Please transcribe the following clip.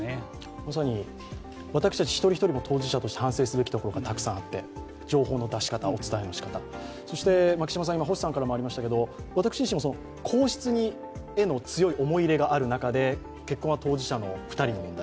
まさに私たち一人一人も当事者として反省すべきところがたくさんあって、情報の出し方、お伝えの仕方、そして、私自身も皇室への強い思い入れがある中で、結婚は当事者２人の問題。